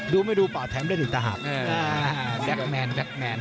ดูไม่ดูล่ะ